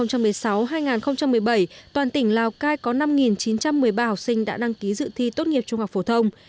năm hai nghìn một mươi sáu hai nghìn một mươi bảy toàn tỉnh lào cai có năm chín trăm một mươi ba học sinh đã đăng ký dự thi tốt nghiệp trung học phổ thông